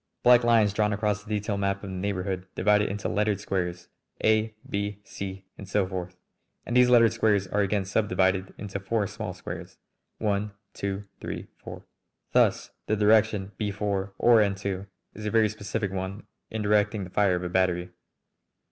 Black lines drawn across the detail map of the neighbourhood divide it into lettered squares, A, B, C, and so forth, and these lettered squares are again subdivided into four small squares, 1, 2, 3, 4. Thus the direction B 4, or N 2, is a very specific one in directing the fire of a battery.